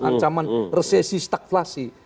ancaman resesi stagflasi